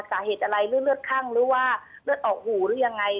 สาเหตุอะไรหรือเลือดคั่งหรือว่าเลือดออกหูหรือยังไง